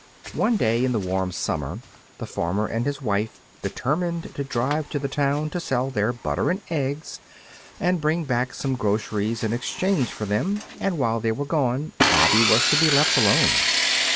One day in the warm summer the farmer and his wife determined to drive to the town to sell their butter and eggs and bring back some groceries in exchange for them, and while they were gone Bobby was to be left alone.